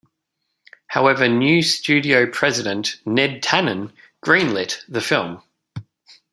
However new studio president Ned Tanen greenlit the film.